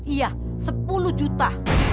iya sepuluh juta